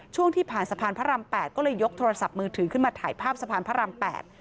ช่วงที่ผ่านสะพานพระราม๘ก็เลยยกโทรศัพท์มือถือขึ้นมาถ่ายภาพสะพานพระราม๘